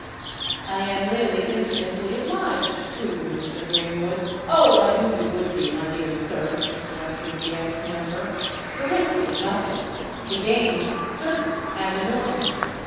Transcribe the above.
"I am really infinitely obliged to you, Mr. Greenwood——" "Oh! I knew you would be, my dear sir!" interrupted the ex member. "The risk is nothing—the gains certain and enormous.